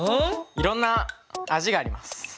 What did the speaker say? いろんな味があります。